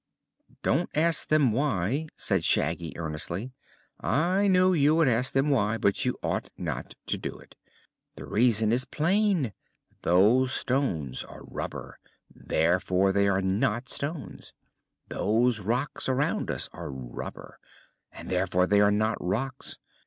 "Don't ask them why," said Shaggy earnestly. "I knew you would ask them why, but you ought not to do it. The reason is plain. Those stones are rubber; therefore they are not stones. Those rocks around us are rubber, and therefore they are not rocks.